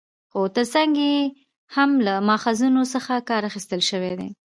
خو تر څنګ يې هم له ماخذونو څخه کار اخستل شوى دى